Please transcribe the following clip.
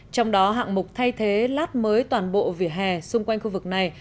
trong đó hạng mục thay thế lát mới toàn bộ vỉa hè xung quanh khu vực này